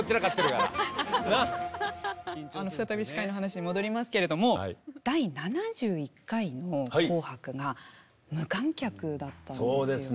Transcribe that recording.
再び司会の話に戻りますけれども第７１回の「紅白」が無観客だったんですよね。